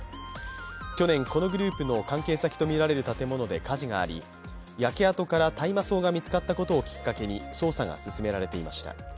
去年、このグループの関係先とみられる建物で火事があり、焼け跡から大麻草が見つかったことをきっかけに捜査が進められていました。